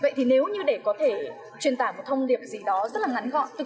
vậy thì nếu như để có thể truyền tả một thông điệp gì đó rất là ngắn gọn từ câu chuyện